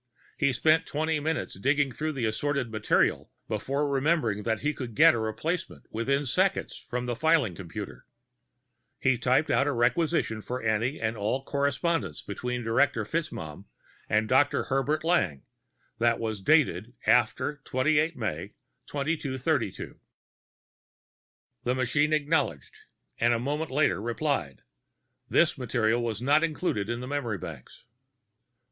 He spent twenty minutes digging through the assorted material before remembering that he could get a replacement within seconds from the filing computer. He typed out a requisition for any and all correspondence between Director FitzMaugham and Dr. Herbert Lang that was dated after 28 May 2232. The machine acknowledged, and a moment later replied, This material is not included in memory banks.